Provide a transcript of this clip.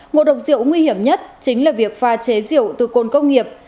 ngộ độc diệu nguy hiểm nhất chính là việc pha chế diệu từ cồn công nghiệp